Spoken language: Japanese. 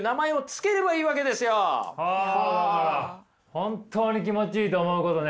本当に気持ちいいと思うことね。